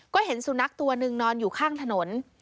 ก็เห็นสุนัขตัวหนึ่งนอนอยู่ข้างถนน